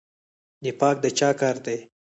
نفاق د چا کار دی؟